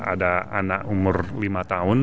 ada anak umur lima tahun